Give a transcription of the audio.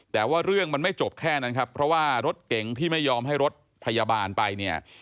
แต่ว่าเรื่องมันไม่จบแค่นั้นครับเพราะว่ารถเก๋งที่ไม่ยอมให้รถพยาบาลไปเนี่ย